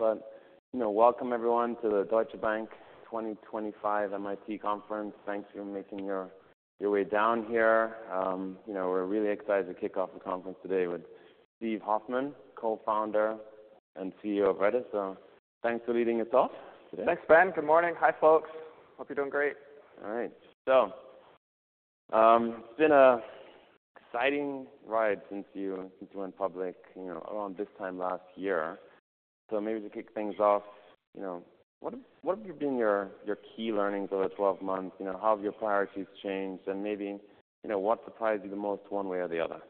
You know, welcome everyone to the Deutsche Bank 2025 MIT Conference. Thanks for making your way down here. You know, we're really excited to kick off the conference today with Steve Huffman, co-founder and CEO of Reddit. Thanks for leading us off today. Thanks, Ben. Good morning. Hi folks. Hope you're doing great. All right. It's been an exciting ride since you went public, you know, around this time last year. Maybe to kick things off, you know, what have been your key learnings over the 12 months? You know, how have your priorities changed? Maybe, you know, what surprised you the most one way or the other?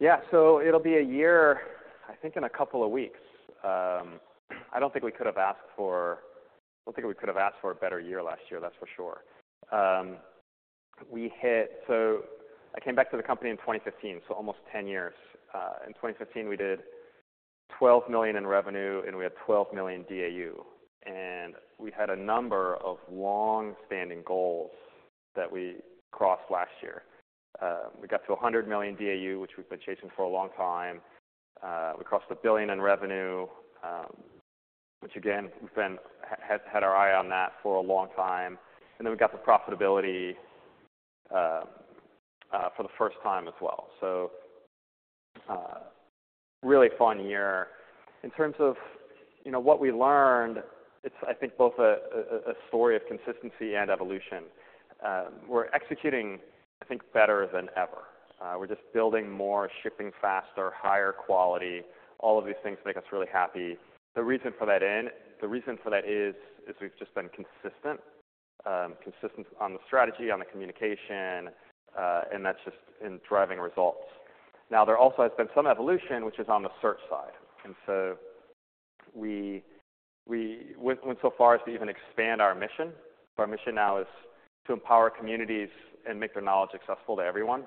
Yeah. It'll be a year, I think, in a couple of weeks. I don't think we could have asked for a better year last year. That's for sure. We hit, so I came back to the company in 2015, so almost 10 years. In 2015 we did $12 million in revenue and we had 12 million DAU. And we had a number of long-standing goals that we crossed last year. We got to 100 million DAU, which we've been chasing for a long time. We crossed $1 billion in revenue, which again, we've had our eye on that for a long time. And then we got to profitability for the first time as well. Really fun year. In terms of, you know, what we learned, I think both a story of consistency and evolution. We're executing, I think, better than ever. We're just building more, shipping faster, higher quality. All of these things make us really happy. The reason for that is we've just been consistent, consistent on the strategy, on the communication, and that's just driving results. There also has been some evolution, which is on the search side. We went so far as to even expand our mission. Our mission now is to empower communities and make their knowledge accessible to everyone.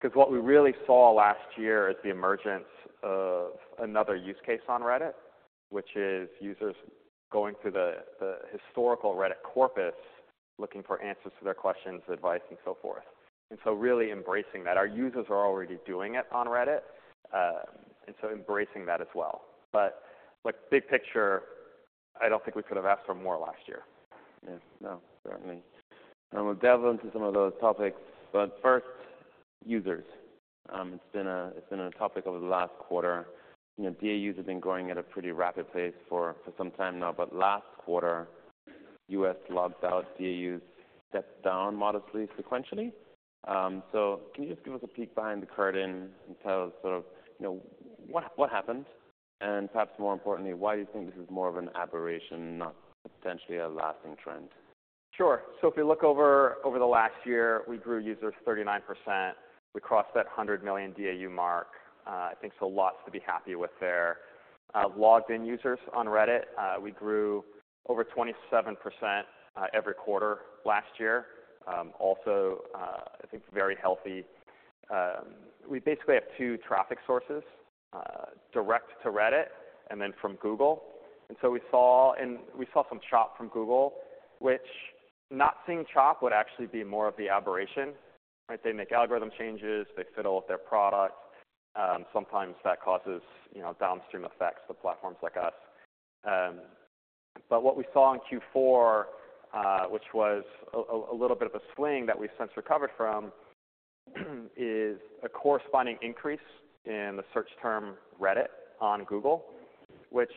'Cause what we really saw last year is the emergence of another use case on Reddit, which is users going to the historical Reddit corpus looking for answers to their questions, advice, and so forth. Really embracing that. Our users are already doing it on Reddit, and embracing that as well. Like, big picture, I don't think we could have asked for more last year. Yeah. No. Certainly. We'll dive into some of those topics. First, users. It's been a topic over the last quarter. You know, DAUs have been growing at a pretty rapid pace for some time now. Last quarter, U.S. logged-out DAUs stepped down modestly sequentially. Can you just give us a peek behind the curtain and tell us sort of, you know, what happened? Perhaps more importantly, why do you think this is more of an aberration, not potentially a lasting trend? Sure. If you look over the last year, we grew users 39%. We crossed that 100 million DAU mark. I think lots to be happy with there. Logged-in users on Reddit, we grew over 27% every quarter last year. Also, I think very healthy. We basically have two traffic sources, direct to Reddit and then from Google. We saw some chop from Google, which not seeing chop would actually be more of the aberration, right? They make algorithm changes. They fiddle with their product. Sometimes that causes, you know, downstream effects to platforms like us. What we saw in Q4, which was a little bit of a swing that we've since recovered from, is a corresponding increase in the search term Reddit on Google, which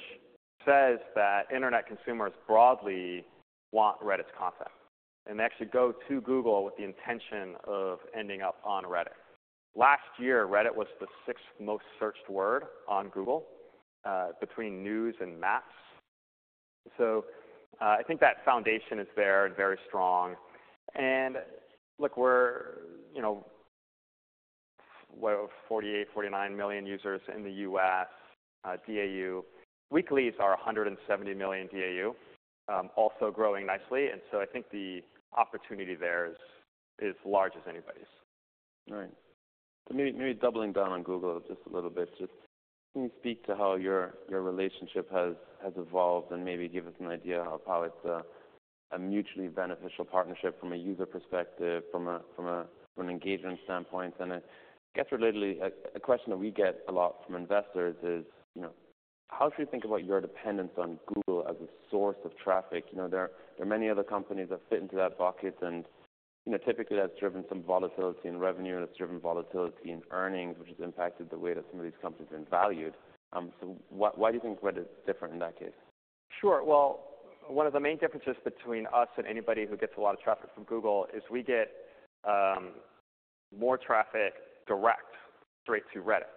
says that internet consumers broadly want Reddit's content. They actually go to Google with the intention of ending up on Reddit. Last year, Reddit was the sixth most searched word on Google, between news and maps. I think that foundation is there and very strong. Look, we're, you know, what, 48, 49 million users in the U.S., DAU. Weeklies are 170 million DAU, also growing nicely. I think the opportunity there is as large as anybody's. Right. Maybe doubling down on Google just a little bit, just can you speak to how your relationship has evolved and maybe give us an idea of how it's a mutually beneficial partnership from a user perspective, from an engagement standpoint? I guess relatedly, a question that we get a lot from investors is, you know, how should we think about your dependence on Google as a source of traffic? You know, there are many other companies that fit into that bucket. Typically that's driven some volatility in revenue. That's driven volatility in earnings, which has impacted the way that some of these companies have been valued. Why do you think Reddit's different in that case? Sure. One of the main differences between us and anybody who gets a lot of traffic from Google is we get more traffic direct straight to Reddit.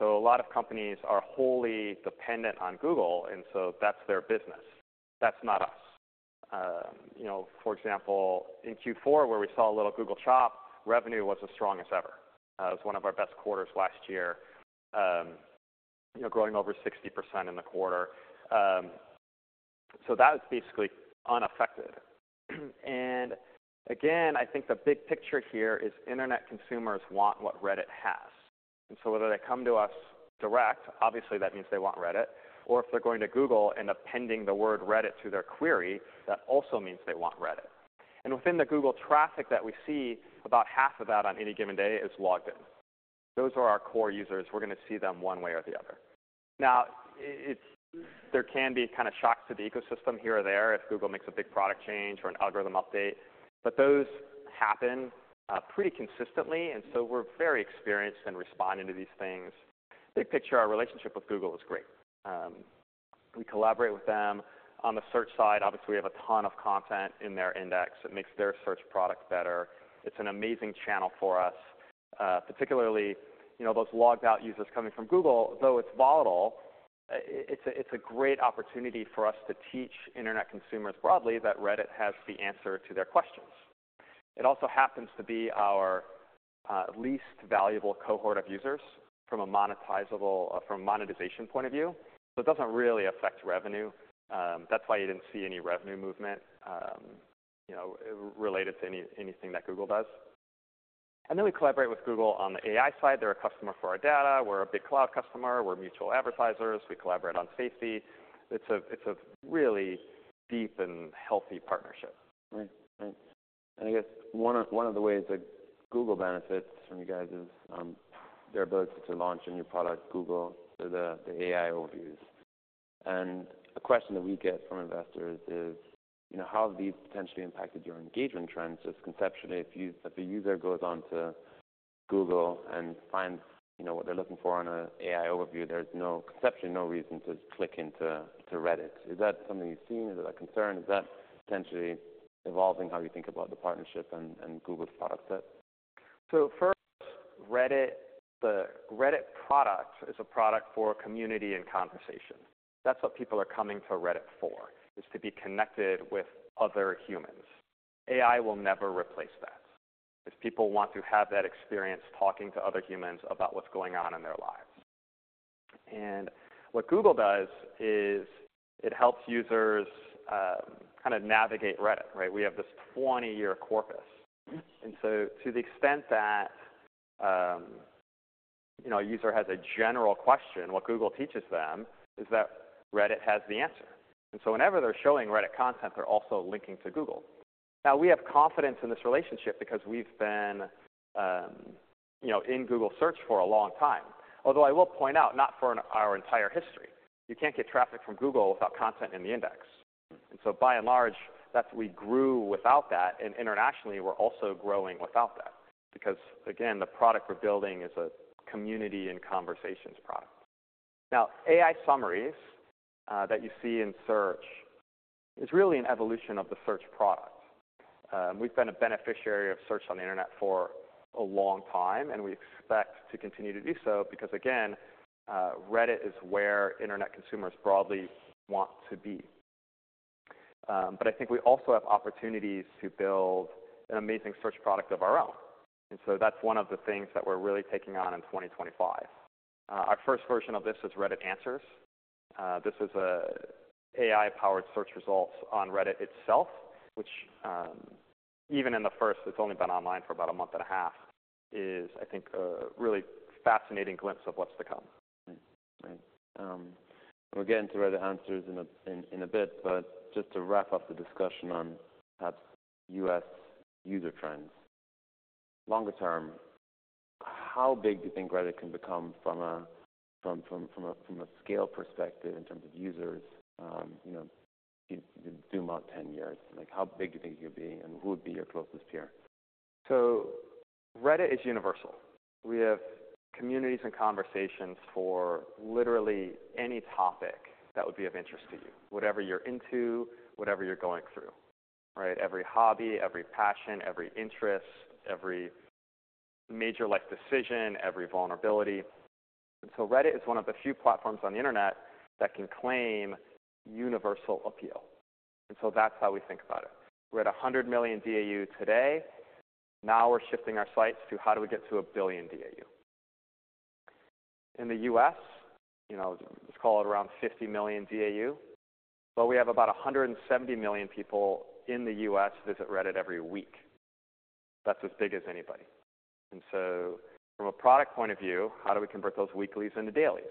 A lot of companies are wholly dependent on Google, and so that's their business. That's not us. You know, for example, in Q4, where we saw a little Google chop, revenue was the strongest ever. It was one of our best quarters last year, you know, growing over 60% in the quarter. That's basically unaffected. I think the big picture here is internet consumers want what Reddit has. Whether they come to us direct, obviously that means they want Reddit. Or if they're going to Google and appending the word Reddit to their query, that also means they want Reddit. Within the Google traffic that we see, about half of that on any given day is logged in. Those are our core users. We're gonna see them one way or the other. It's there can be kinda shocks to the ecosystem here or there if Google makes a big product change or an algorithm update. Those happen pretty consistently. We are very experienced in responding to these things. Big picture, our relationship with Google is great. We collaborate with them. On the search side, obviously we have a ton of content in their index that makes their search product better. It's an amazing channel for us, particularly, you know, those logged-out users coming from Google. Though it's volatile, it's a great opportunity for us to teach internet consumers broadly that Reddit has the answer to their questions. It also happens to be our least valuable cohort of users from a monetization point of view. So it doesn't really affect revenue. That's why you didn't see any revenue movement, you know, related to anything that Google does. And then we collaborate with Google on the AI side. They're a customer for our data. We're a big cloud customer. We're mutual advertisers. We collaborate on safety. It's a really deep and healthy partnership. Right. Right. I guess one of the ways that Google benefits from you guys is their ability to launch a new product, Google, through the AI Overviews. A question that we get from investors is, you know, how have these potentially impacted your engagement trends? Just conceptually, if a user goes onto Google and finds, you know, what they're looking for on an AI overview, there's conceptually no reason to click into Reddit. Is that something you've seen? Is that a concern? Is that potentially evolving how you think about the partnership and Google's product set? Reddit, the Reddit product is a product for community and conversation. That's what people are coming to Reddit for, is to be connected with other humans. AI will never replace that if people want to have that experience talking to other humans about what's going on in their lives. What Google does is it helps users, kinda navigate Reddit, right? We have this 20-year corpus. To the extent that, you know, a user has a general question, what Google teaches them is that Reddit has the answer. Whenever they're showing Reddit content, they're also linking to Google. We have confidence in this relationship because we've been, you know, in Google search for a long time. Although I will point out, not for our entire history, you can't get traffic from Google without content in the index. By and large, that's we grew without that. Internationally, we're also growing without that because, again, the product we're building is a community and conversations product. Now, AI summaries that you see in search is really an evolution of the search product. We've been a beneficiary of search on the internet for a long time. We expect to continue to do so because, again, Reddit is where internet consumers broadly want to be. I think we also have opportunities to build an amazing search product of our own. That's one of the things that we're really taking on in 2025. Our first version of this is Reddit Answers. This is an AI-powered search results on Reddit itself, which, even in the first, it's only been online for about a month and a half, is, I think, a really fascinating glimpse of what's to come. Right. We'll get into Reddit Answers in a bit. Just to wrap up the discussion on perhaps U.S. user trends, longer term, how big do you think Reddit can become from a scale perspective in terms of users? You know, you zoom out 10 years, like, how big do you think you'll be? Who would be your closest peer? Reddit is universal. We have communities and conversations for literally any topic that would be of interest to you, whatever you're into, whatever you're going through, right? Every hobby, every passion, every interest, every major life decision, every vulnerability. Reddit is one of the few platforms on the internet that can claim universal appeal. That's how we think about it. We're at 100 million DAU today. Now we're shifting our sights to how do we get to a billion DAU. In the U.S., you know, let's call it around 50 million DAU. We have about 170 million people in the U.S. visit Reddit every week. That's as big as anybody. From a product point of view, how do we convert those weeklies into dailies?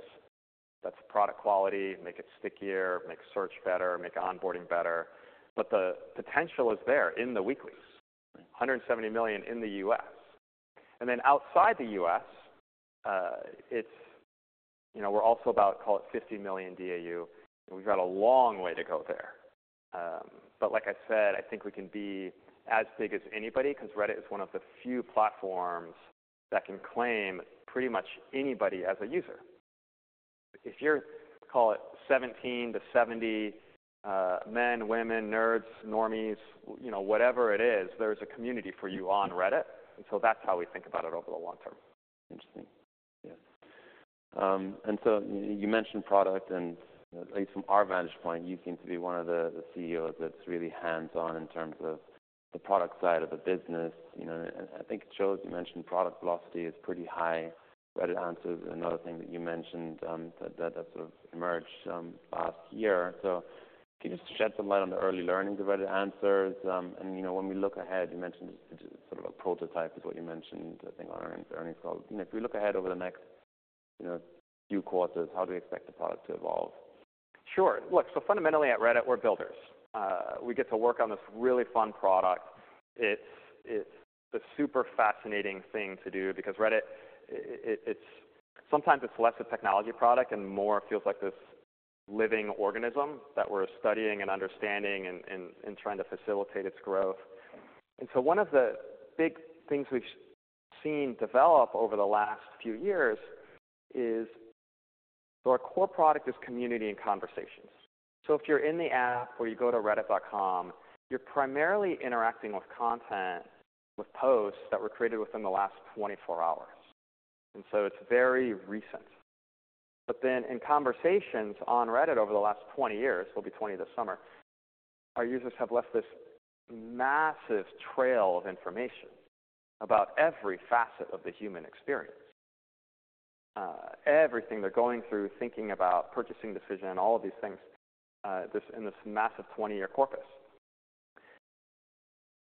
That's product quality, make it stickier, make search better, make onboarding better. The potential is there in the weeklies, 170 million in the US. Outside the US, it's, you know, we're also about, call it, 50 million DAU. We've got a long way to go there. Like I said, I think we can be as big as anybody 'cause Reddit is one of the few platforms that can claim pretty much anybody as a user. If you're, call it, 17 to 70, men, women, nerds, normies, you know, whatever it is, there's a community for you on Reddit. That's how we think about it over the long term. Interesting. Yeah. You mentioned product. At least from our vantage point, you seem to be one of the CEOs that's really hands-on in terms of the product side of the business. You know, and I think, Steve, you mentioned product velocity is pretty high. Reddit Answers is another thing that you mentioned, that sort of emerged last year. Can you just shed some light on the early learnings of Reddit Answers? You know, when we look ahead, you mentioned it's sort of a prototype, is what you mentioned, I think, on the earnings call. You know, if we look ahead over the next few quarters, how do we expect the product to evolve? Sure. Look, so fundamentally at Reddit, we're builders. We get to work on this really fun product. It's a super fascinating thing to do because Reddit, sometimes it's less a technology product and more feels like this living organism that we're studying and understanding and trying to facilitate its growth. One of the big things we've seen develop over the last few years is our core product is community and conversations. If you're in the app or you go to reddit.com, you're primarily interacting with content, with posts that were created within the last 24 hours. It's very recent. In conversations on Reddit over the last 20 years, it'll be 20 this summer, our users have left this massive trail of information about every facet of the human experience, everything they're going through, thinking about, purchasing decision, all of these things, in this massive 20-year corpus,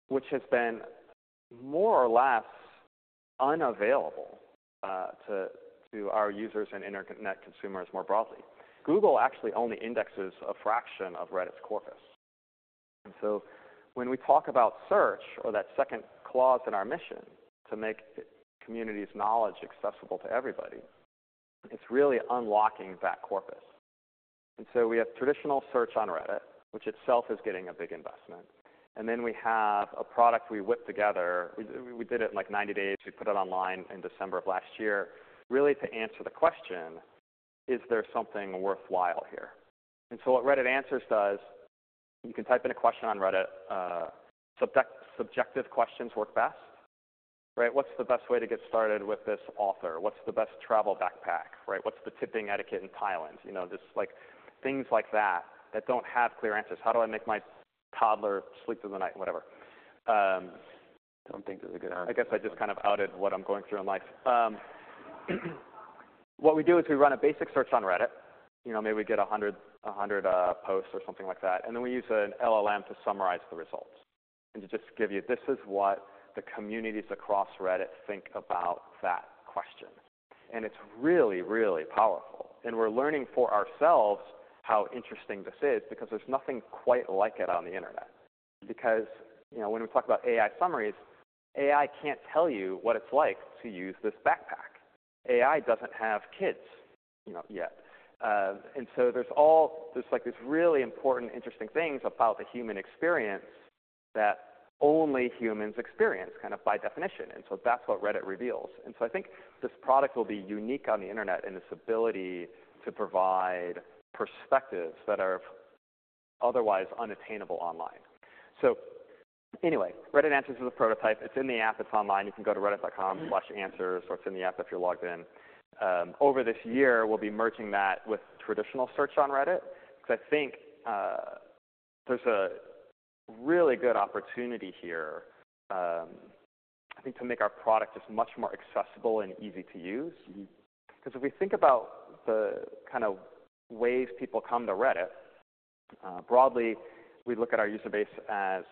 which has been more or less unavailable to our users and internet consumers more broadly. Google actually only indexes a fraction of Reddit's corpus. When we talk about search or that second clause in our mission to make community's knowledge accessible to everybody, it's really unlocking that corpus. We have traditional search on Reddit, which itself is getting a big investment. Then we have a product we whipped together. We did it in like 90 days. We put it online in December of last year, really to answer the question, is there something worthwhile here? What Reddit Answers does, you can type in a question on Reddit. Subjective questions work best, right? What's the best way to get started with this author? What's the best travel backpack, right? What's the tipping etiquette in Thailand? You know, just like things like that that don't have clear answers. How do I make my toddler sleep through the night, whatever? Don't think there's a good answer. I guess I just kind of outed what I'm going through in life. What we do is we run a basic search on Reddit. You know, maybe we get 100, 100 posts or something like that. And then we use an LLM to summarize the results and to just give you, this is what the communities across Reddit think about that question. It's really, really powerful. We're learning for ourselves how interesting this is because there's nothing quite like it on the internet. You know, when we talk about AI summaries, AI can't tell you what it's like to use this backpack. AI doesn't have kids, you know, yet. There are these really important, interesting things about the human experience that only humans experience kind of by definition. That's what Reddit reveals. I think this product will be unique on the internet in its ability to provide perspectives that are otherwise unattainable online. Anyway, Reddit Answers is a prototype. It's in the app. It's online. You can go to reddit.com/answers or it's in the app if you're logged in. Over this year, we'll be merging that with traditional search on Reddit 'cause I think there's a really good opportunity here, I think, to make our product just much more accessible and easy to use. Mm-hmm. 'Cause if we think about the kinda ways people come to Reddit, broadly, we look at our user base as,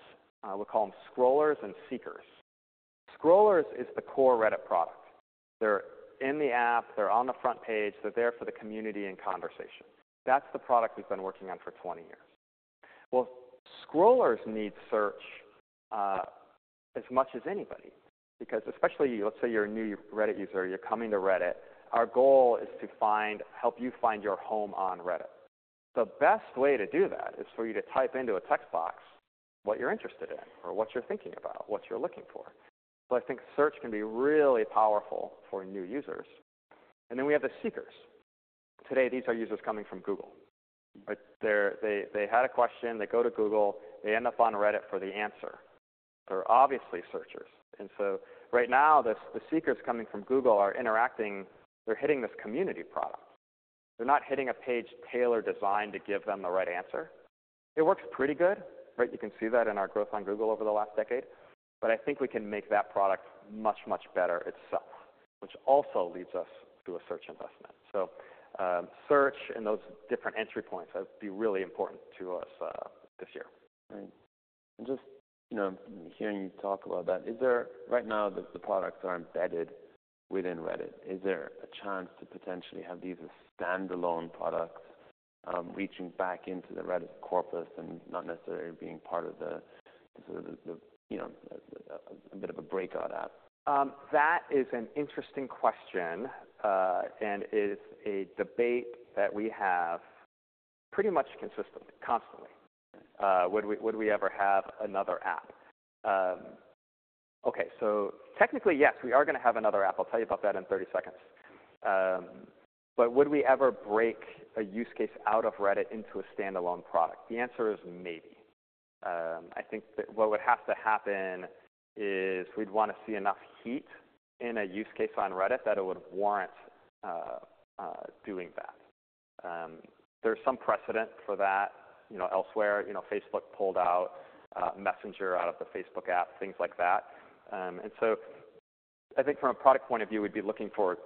we call them Scrollers and Seekers. Scrollers is the core Reddit product. They're in the app. They're on the front page. They're there for the community and conversation. That's the product we've been working on for 20 years. Scrollers need search as much as anybody because especially let's say you're a new Reddit user. You're coming to Reddit. Our goal is to help you find your home on Reddit. The best way to do that is for you to type into a text box what you're interested in or what you're thinking about, what you're looking for. I think search can be really powerful for new users. Then we have the seekers. Today, these are users coming from Google, right? They had a question. They go to Google. They end up on Reddit for the answer. They're obviously searchers. Right now, the seekers coming from Google are interacting. They're hitting this community product. They're not hitting a page tailored designed to give them the right answer. It works pretty good, right? You can see that in our growth on Google over the last decade. I think we can make that product much, much better itself, which also leads us to a search investment. Search and those different entry points have been really important to us, this year. Right. And just, you know, hearing you talk about that, is there right now, the products are embedded within Reddit. Is there a chance to potentially have these as standalone products, reaching back into the Reddit corpus and not necessarily being part of the sort of, you know, a bit of a breakout app? That is an interesting question, and it's a debate that we have pretty much consistently, constantly. Would we ever have another app? Okay. Technically, yes, we are gonna have another app. I'll tell you about that in 30 seconds. But would we ever break a use case out of Reddit into a standalone product? The answer is maybe. I think that what would have to happen is we'd wanna see enough heat in a use case on Reddit that it would warrant doing that. There's some precedent for that, you know, elsewhere. You know, Facebook pulled out Messenger out of the Facebook app, things like that. I think from a product point of view, we'd be looking for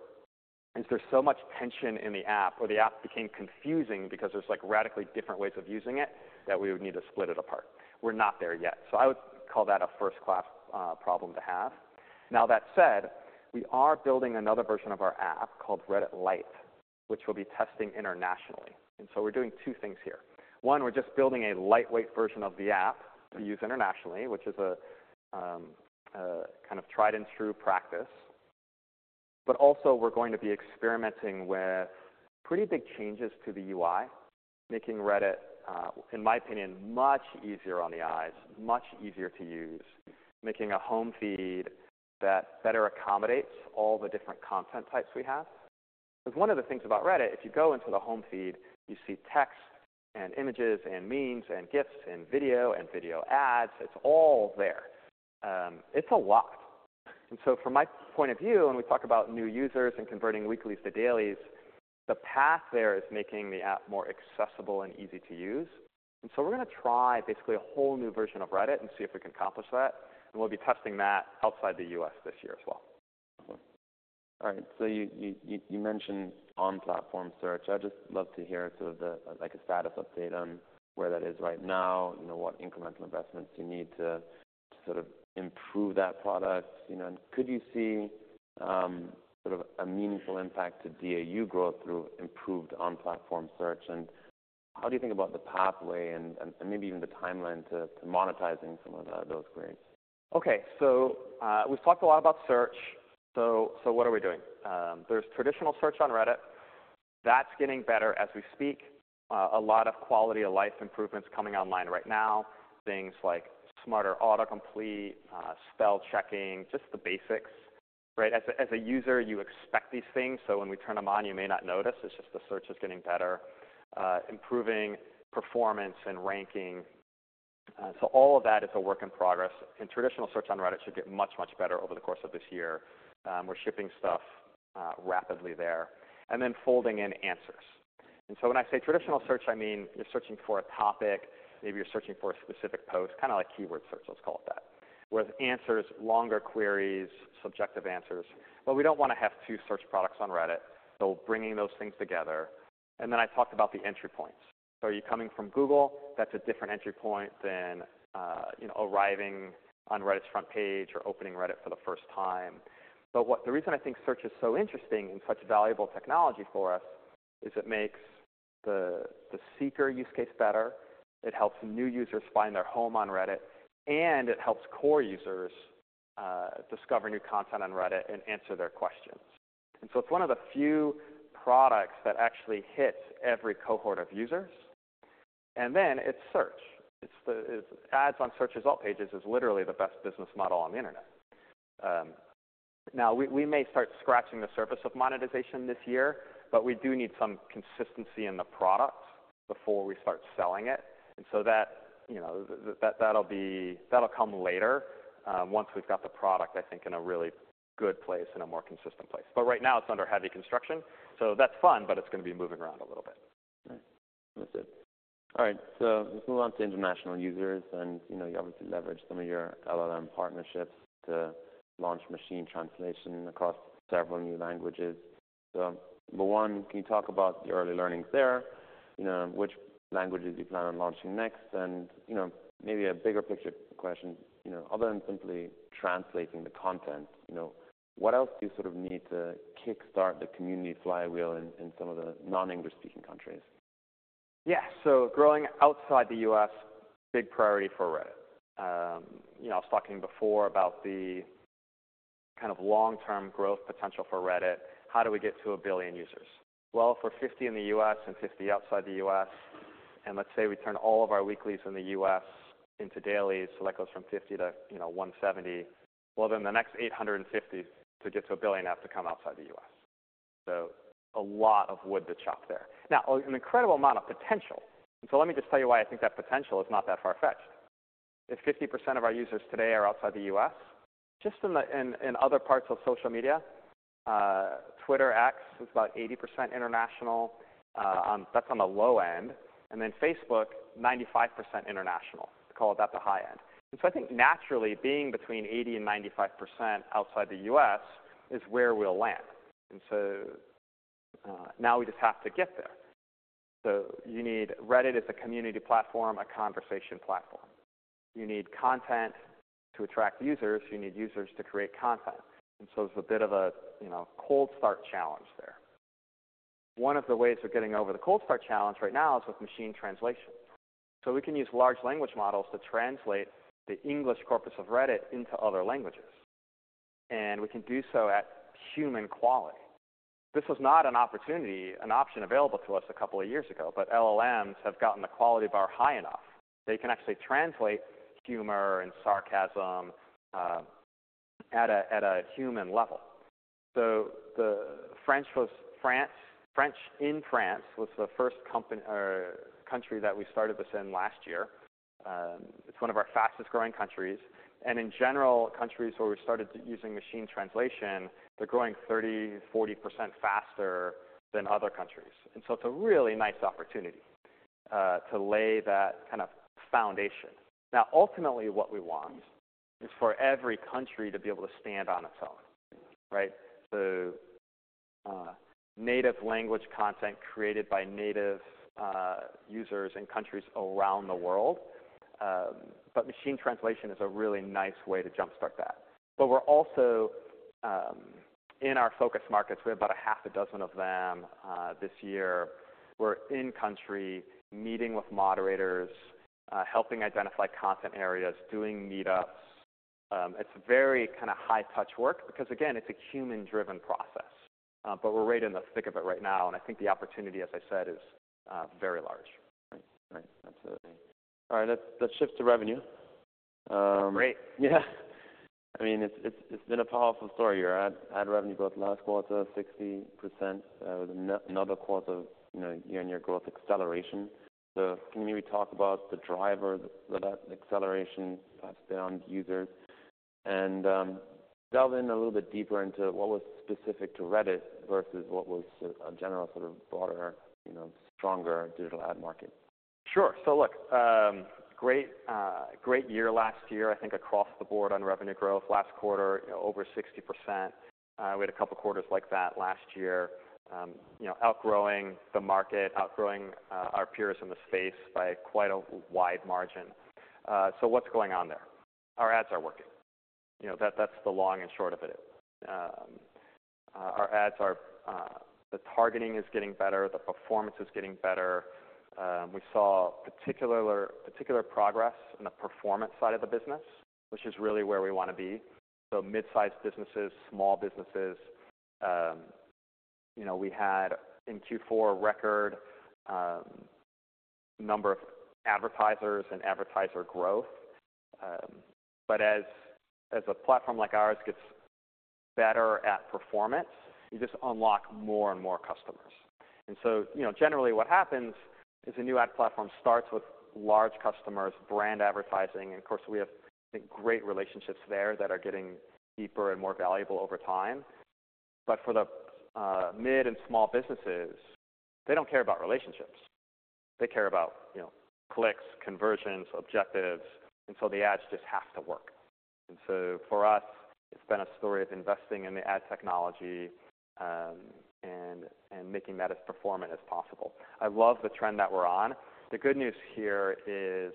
is there so much tension in the app or the app became confusing because there's, like, radically different ways of using it that we would need to split it apart. We're not there yet. I would call that a first-class problem to have. That said, we are building another version of our app called Reddit Lite, which we'll be testing internationally. We are doing two things here. One, we're just building a lightweight version of the app to use internationally, which is a kind of tried-and-true practice. Also, we're going to be experimenting with pretty big changes to the UI, making Reddit, in my opinion, much easier on the eyes, much easier to use, making a home feed that better accommodates all the different content types we have. 'Cause one of the things about Reddit, if you go into the home feed, you see text and images and memes and gifs and video and video ads. It's all there. It's a lot. From my point of view, when we talk about new users and converting weeklies to dailies, the path there is making the app more accessible and easy to use. We're gonna try basically a whole new version of Reddit and see if we can accomplish that. We'll be testing that outside the U.S. this year as well. Excellent. All right. You mentioned on-platform search. I'd just love to hear sort of the, like, a status update on where that is right now, you know, what incremental investments you need to sort of improve that product. You know, and could you see sort of a meaningful impact to DAU growth through improved on-platform search? How do you think about the pathway and maybe even the timeline to monetizing some of those creates? Okay. We've talked a lot about search. What are we doing? There's traditional search on Reddit. That's getting better as we speak. A lot of quality-of-life improvements coming online right now, things like smarter autocomplete, spell checking, just the basics, right? As a user, you expect these things. When we turn them on, you may not notice. It's just the search is getting better, improving performance and ranking. All of that is a work in progress. Traditional search on Reddit should get much, much better over the course of this year. We're shipping stuff rapidly there. Then folding in answers. When I say traditional search, I mean you're searching for a topic. Maybe you're searching for a specific post, kind of like keyword search, let's call it that, whereas answers, longer queries, subjective answers. We don't wanna have two search products on Reddit. Bringing those things together. I talked about the entry points. Are you coming from Google? That's a different entry point than, you know, arriving on Reddit's front page or opening Reddit for the first time. What the reason I think search is so interesting and such valuable technology for us is it makes the seeker use case better. It helps new users find their home on Reddit, and it helps core users discover new content on Reddit and answer their questions. It's one of the few products that actually hits every cohort of users. It's search. It's ads on search result pages is literally the best business model on the internet. Now, we may start scratching the surface of monetization this year, but we do need some consistency in the product before we start selling it. And so that, you know, that'll be that'll come later, once we've got the product, I think, in a really good place, in a more consistent place. Right now, it's under heavy construction. That's fun, but it's gonna be moving around a little bit. Right. Understood. All right. Let's move on to international users. You obviously leveraged some of your LLM partnerships to launch machine translation across several new languages. Number one, can you talk about the early learnings there, you know, which languages you plan on launching next? Maybe a bigger picture question, you know, other than simply translating the content, what else do you sort of need to kickstart the community flywheel in in some of the non-English-speaking countries? Yeah. Growing outside the U.S., big priority for Reddit. You know, I was talking before about the kind of long-term growth potential for Reddit. How do we get to a billion users? If we're 50 in the U.S. and 50 outside the U.S., and let's say we turn all of our weeklies in the U.S. into dailies, so that goes from 50 to 170, the next 850 to get to a billion have to come outside the U.S. A lot of wood to chop there. An incredible amount of potential. Let me just tell you why I think that potential is not that far-fetched. If 50% of our users today are outside the U.S., just in other parts of social media, X is about 80% international. That's on the low end. Facebook, 95% international. Call it the high end. I think naturally, being between 80% and 95% outside the U.S. is where we'll land. Now we just have to get there. You need Reddit as a community platform, a conversation platform. You need content to attract users. You need users to create content. There's a bit of a, you know, cold start challenge there. One of the ways we're getting over the cold start challenge right now is with machine translation. We can use large language models to translate the English corpus of Reddit into other languages. We can do so at human quality. This was not an opportunity, an option available to us a couple of years ago, but LLMs have gotten the quality bar high enough. They can actually translate humor and sarcasm at a human level. The French was France French in France was the first country that we started this in last year. It's one of our fastest-growing countries. In general, countries where we started using machine translation, they're growing 30-40% faster than other countries. It's a really nice opportunity to lay that kind of foundation. Ultimately, what we want is for every country to be able to stand on its own, right? Native language content created by native users in countries around the world. Machine translation is a really nice way to jumpstart that. We're also, in our focus markets, we have about half a dozen of them this year. We're in-country meeting with moderators, helping identify content areas, doing meetups. It's very kind of high-touch work because, again, it's a human-driven process. We're right in the thick of it right now. I think the opportunity, as I said, is very large. Right. Right. Absolutely. All right. Let's shift to revenue. Great. Yeah. I mean, it's been a powerful story. Your ad revenue growth last quarter, 60%, with another quarter, you know, year-on-year growth acceleration. Can you maybe talk about the driver that acceleration has been on users and delve in a little bit deeper into what was specific to Reddit versus what was a general sort of broader, you know, stronger digital ad market? Sure. So look, great, great year last year, I think, across the board on revenue growth. Last quarter, you know, over 60%. We had a couple quarters like that last year. You know, outgrowing the market, outgrowing our peers in the space by quite a wide margin. So what's going on there? Our ads are working. You know, that's the long and short of it. Our ads are, the targeting is getting better. The performance is getting better. We saw particular, particular progress in the performance side of the business, which is really where we wanna be. So mid-sized businesses, small businesses. You know, we had in Q4 record number of advertisers and advertiser growth. But as a platform like ours gets better at performance, you just unlock more and more customers. You know, generally, what happens is a new ad platform starts with large customers, brand advertising. Of course, we have, I think, great relationships there that are getting deeper and more valuable over time. For the mid and small businesses, they do not care about relationships. They care about, you know, clicks, conversions, objectives. The ads just have to work. For us, it has been a story of investing in the ad technology, and making that as performant as possible. I love the trend that we are on. The good news here is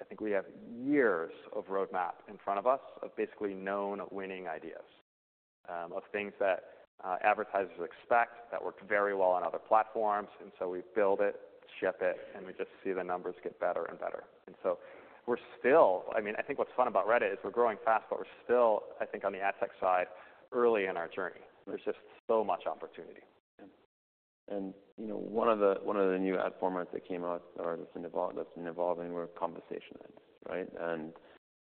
I think we have years of roadmap in front of us of basically known winning ideas, of things that advertisers expect that work very well on other platforms. We build it, ship it, and we just see the numbers get better and better. I mean, I think what's fun about Reddit is we're growing fast, but we're still, I think, on the ad tech side early in our journey. There's just so much opportunity. Yeah. You know, one of the new ad formats that came out or that's been evolving were Conversation Ads, right?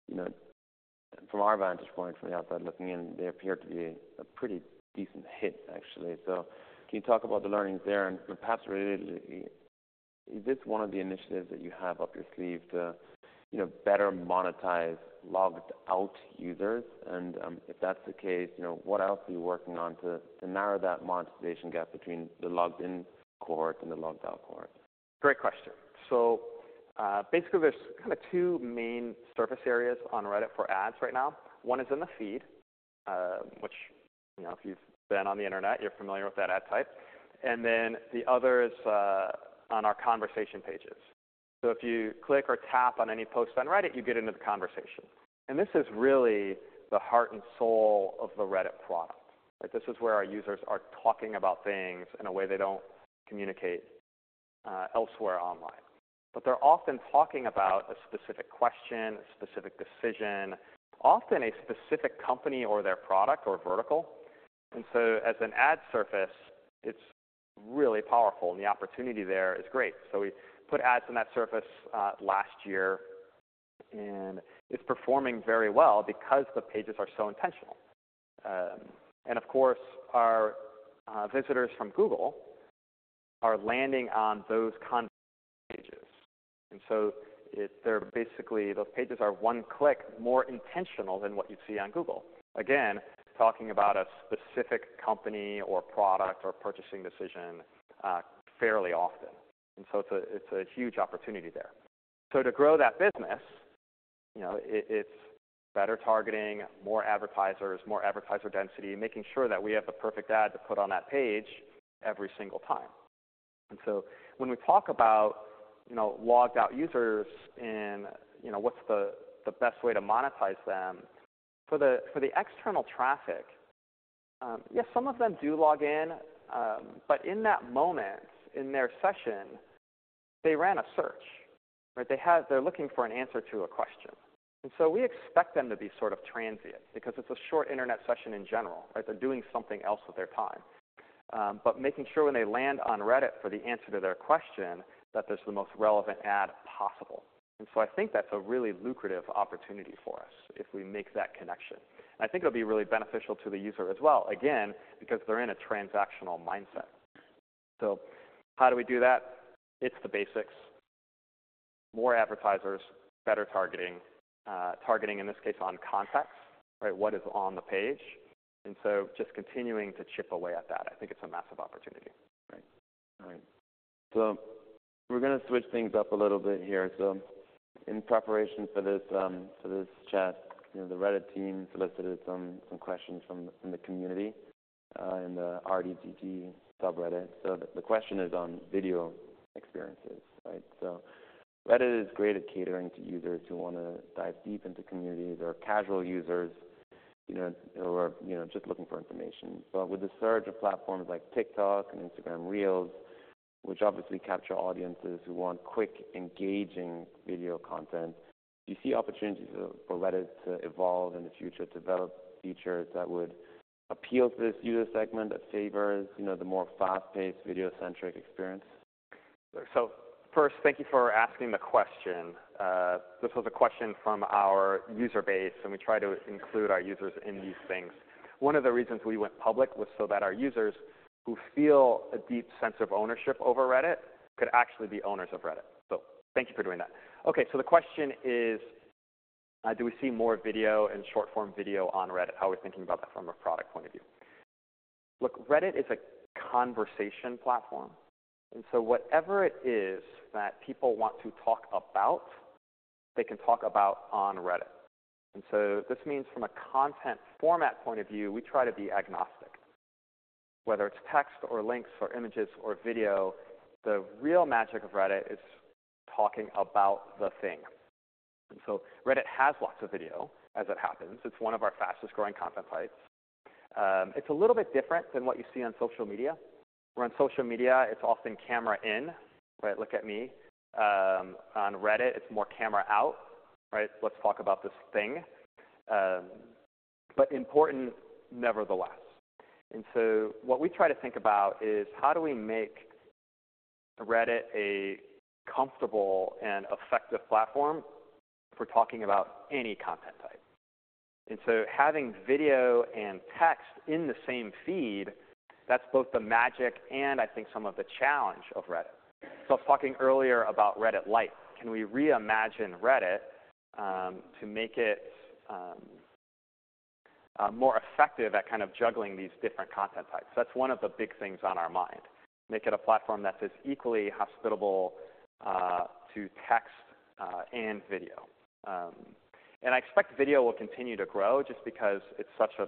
You know, from our vantage point, from the outside looking in, they appear to be a pretty decent hit, actually. Can you talk about the learnings there? Perhaps relatedly, is this one of the initiatives that you have up your sleeve to, you know, better monetize logged-out users? If that's the case, you know, what else are you working on to narrow that monetization gap between the logged-in cohort and the logged-out cohort? Great question. Basically, there's kinda two main surface areas on Reddit for ads right now. One is in the feed, which, you know, if you've been on the internet, you're familiar with that ad type. The other is on our conversation pages. If you click or tap on any post on Reddit, you get into the conversation. This is really the heart and soul of the Reddit product, right? This is where our users are talking about things in a way they don't communicate elsewhere online. They're often talking about a specific question, a specific decision, often a specific company or their product or vertical. As an ad surface, it's really powerful, and the opportunity there is great. We put ads in that surface last year, and it's performing very well because the pages are so intentional. Of course, our visitors from Google are landing on those conversation pages. They are basically those pages that are one click more intentional than what you'd see on Google, again, talking about a specific company or product or purchasing decision fairly often. It is a huge opportunity there. To grow that business, it is better targeting, more advertisers, more advertiser density, making sure that we have the perfect ad to put on that page every single time. When we talk about, you know, logged-out users and, you know, what's the best way to monetize them for the external traffic, yeah, some of them do log in. In that moment, in their session, they ran a search, right? They are looking for an answer to a question. We expect them to be sort of transient because it's a short internet session in general, right? They're doing something else with their time, but making sure when they land on Reddit for the answer to their question that there's the most relevant ad possible. I think that's a really lucrative opportunity for us if we make that connection. I think it'll be really beneficial to the user as well, again, because they're in a transactional mindset. How do we do that? It's the basics: more advertisers, better targeting, targeting in this case on context, right? What is on the page? Just continuing to chip away at that, I think it's a massive opportunity. Right. All right. We're gonna switch things up a little bit here. In preparation for this, for this chat, you know, the Reddit team solicited some questions from the community, in the RDDT subreddit. The question is on video experiences, right? Reddit is great at catering to users who wanna dive deep into communities or casual users, you know, or, you know, just looking for information. With the surge of platforms like TikTok and Instagram Reels, which obviously capture audiences who want quick, engaging video content, do you see opportunities for Reddit to evolve in the future, to develop features that would appeal to this user segment that favors, you know, the more fast-paced, video-centric experience? First, thank you for asking the question. This was a question from our user base, and we try to include our users in these things. One of the reasons we went public was so that our users who feel a deep sense of ownership over Reddit could actually be owners of Reddit. Thank you for doing that. The question is, do we see more video and short-form video on Reddit? How are we thinking about that from a product point of view? Look, Reddit is a conversation platform. Whatever it is that people want to talk about, they can talk about on Reddit. This means from a content format point of view, we try to be agnostic, whether it's text or links or images or video. The real magic of Reddit is talking about the thing. Reddit has lots of video, as it happens. It's one of our fastest-growing content sites. It's a little bit different than what you see on social media. We're on social media. It's often camera in, right? Look at me. On Reddit, it's more camera out, right? Let's talk about this thing. Important nevertheless. What we try to think about is how do we make Reddit a comfortable and effective platform for talking about any content type? Having video and text in the same feed, that's both the magic and, I think, some of the challenge of Reddit. I was talking earlier about Reddit Lite. Can we reimagine Reddit to make it more effective at kind of juggling these different content types? That's one of the big things on our mind: make it a platform that's as equally hospitable to text and video. I expect video will continue to grow just because it's such an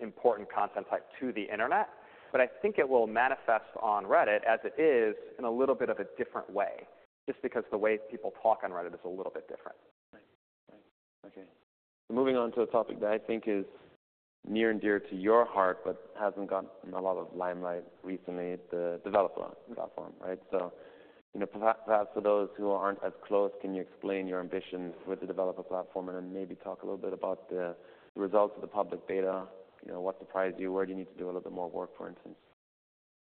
important content type to the internet. I think it will manifest on Reddit as it is in a little bit of a different way just because the way people talk on Reddit is a little bit different. Right. Right. Okay. Moving on to a topic that I think is near and dear to your heart but has not gotten a lot of limelight recently, the Developer Platform, right? You know, perhaps for those who are not as close, can you explain your ambitions with the Developer Platform and then maybe talk a little bit about the results of the public beta? You know, what surprised you? Where do you need to do a little bit more work, for instance?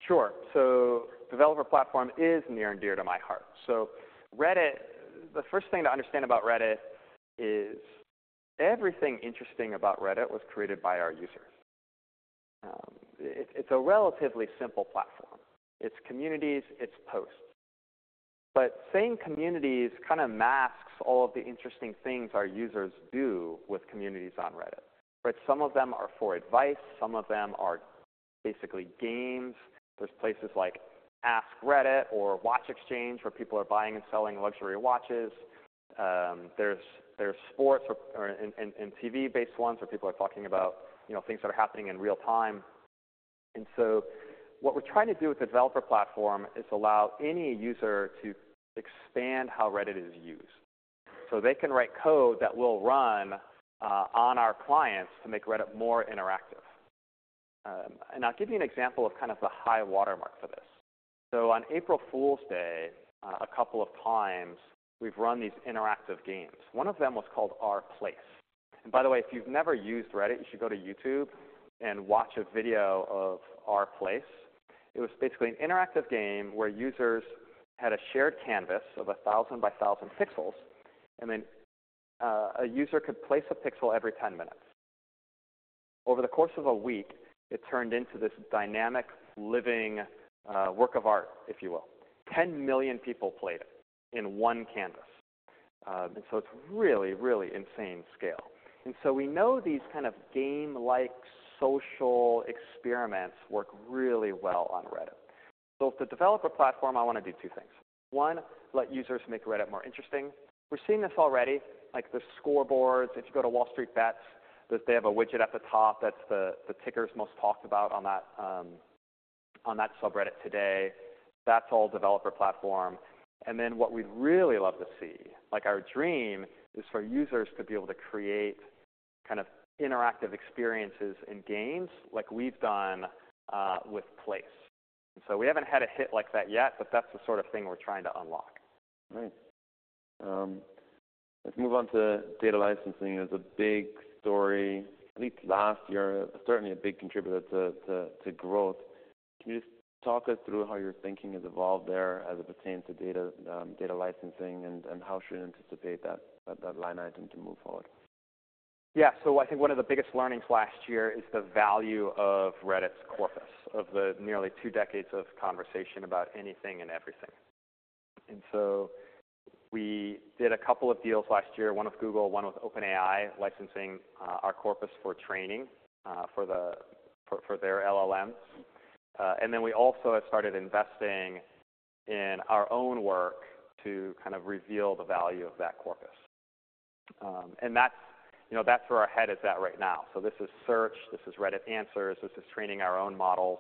Sure. Developer Platform is near and dear to my heart. Reddit, the first thing to understand about Reddit is everything interesting about Reddit was created by our users. It's a relatively simple platform. It's communities. It's posts. Saying communities kinda masks all of the interesting things our users do with communities on Reddit, right? Some of them are for advice. Some of them are basically games. There are places like AskReddit or WatchExchange where people are buying and selling luxury watches. There are sports and TV-based ones where people are talking about, you know, things that are happening in real time. What we are trying to do with the Developer Platform is allow any user to expand how Reddit is used so they can write code that will run on our clients to make Reddit more interactive. I'll give you an example of kind of the high watermark for this. On April Fool's Day, a couple of times, we've run these interactive games. One of them was called Place. By the way, if you've never used Reddit, you should go to YouTube and watch a video of Place. It was basically an interactive game where users had a shared canvas of 1,000 by 1,000 pixels. A user could place a pixel every 10 minutes. Over the course of a week, it turned into this dynamic, living work of art, if you will. 10 million people played it in one canvas. It's really, really insane scale. We know these kind of game-like social experiments work really well on Reddit. With the Developer Platform, I wanna do two things. One, let users make Reddit more interesting. We're seeing this already, like the scoreboards. If you go to WallStreetBets, they have a widget at the top. That's the tickers most talked about on that subreddit today. That's all Developer Platform. What we'd really love to see, like our dream, is for users to be able to create kind of interactive experiences and games like we've done, with Place. We haven't had a hit like that yet, but that's the sort of thing we're trying to unlock. Right. Let's move on to data licensing. It's a big story, at least last year, certainly a big contributor to growth. Can you just talk us through how your thinking has evolved there as it pertains to data, data licensing and how should we anticipate that line item to move forward? Yeah. I think one of the biggest learnings last year is the value of Reddit's corpus, of the nearly two decades of conversation about anything and everything. We did a couple of deals last year, one with Google, one with OpenAI, licensing our corpus for training for their LLMs. We also have started investing in our own work to kind of reveal the value of that corpus. That's, you know, that's where our head is at right now. This is search. This is Reddit Answers. This is training our own models.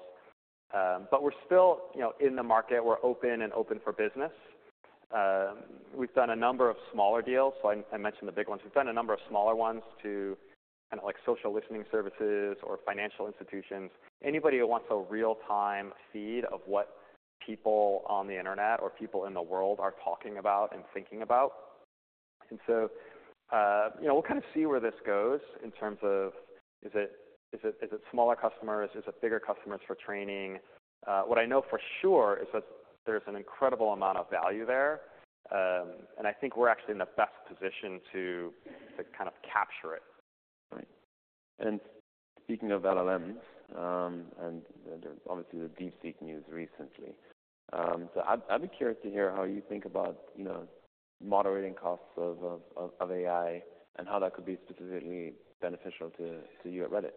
We're still, you know, in the market. We're open and open for business. We've done a number of smaller deals. I mentioned the big ones. We've done a number of smaller ones to kinda like social listening services or financial institutions, anybody who wants a real-time feed of what people on the internet or people in the world are talking about and thinking about. You know, we'll kinda see where this goes in terms of is it smaller customers? Is it bigger customers for training? What I know for sure is that there's an incredible amount of value there. I think we're actually in the best position to kind of capture it. Right. Speaking of LLMs, and obviously the DeepSeek news recently, I'd be curious to hear how you think about, you know, moderating costs of AI and how that could be specifically beneficial to you at Reddit.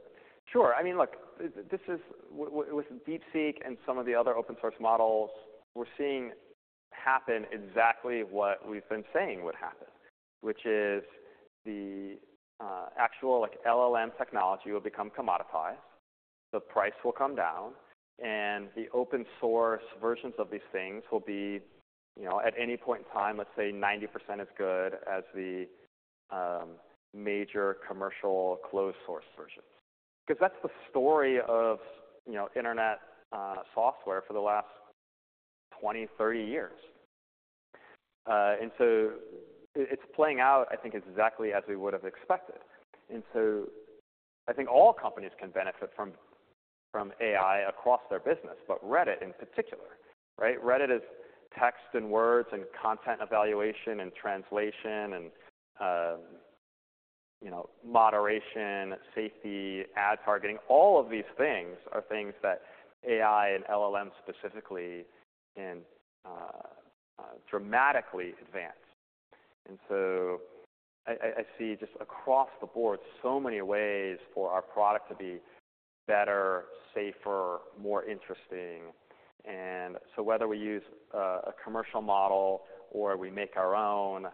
Sure. I mean, look, this is with DeepSeek and some of the other open-source models, we're seeing happen exactly what we've been saying would happen, which is the actual like LLM technology will become commoditized. The price will come down, and the open-source versions of these things will be, you know, at any point in time, let's say 90% as good as the major commercial closed-source versions because that's the story of, you know, internet, software for the last 20, 30 years. It is playing out, I think, exactly as we would have expected. I think all companies can benefit from AI across their business, but Reddit in particular, right? Reddit is text and words and content evaluation and translation and, you know, moderation, safety, ad targeting. All of these things are things that AI and LLMs specifically can dramatically advance. I see just across the board so many ways for our product to be better, safer, more interesting. Whether we use a commercial model or we make our own,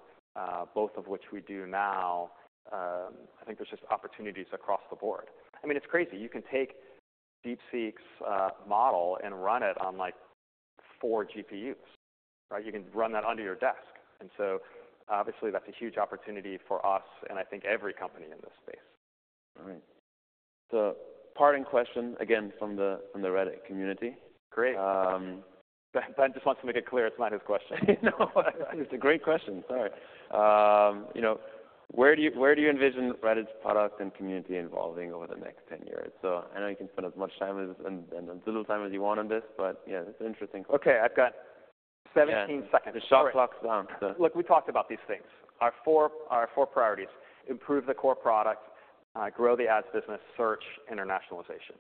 both of which we do now, I think there's just opportunities across the board. I mean, it's crazy. You can take DeepSeek's model and run it on like four GPUs, right? You can run that under your desk. Obviously, that's a huge opportunity for us and I think every company in this space. All right. Parting question again from the Reddit community. Great. Ben just wants to make it clear it's not his question. No. It's a great question. Sorry. You know, where do you envision Reddit's product and community evolving over the next 10 years? I know you can spend as much time and as little time as you want on this, but yeah, it's interesting. Okay. I've got 17 seconds. The shot clock's down. Look, we talked about these things. Our four priorities: improve the core product, grow the ads business, search, internationalization.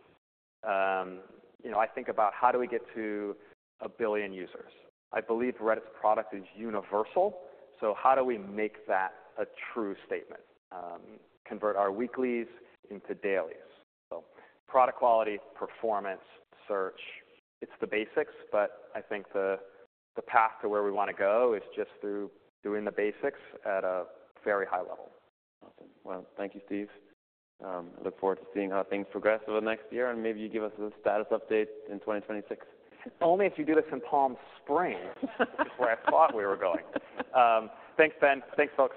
You know, I think about how do we get to a billion users? I believe Reddit's product is universal. So how do we make that a true statement, convert our weeklies into dailies? Product quality, performance, search. It's the basics, but I think the path to where we wanna go is just through doing the basics at a very high level. Awesome. Thank you, Steve. I look forward to seeing how things progress over the next year and maybe you give us a status update in 2026. Only if you do this in Palm Springs, which is where I thought we were going. Thanks, Ben. Thanks, folks.